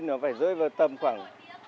nó phải rơi vào tầm khoảng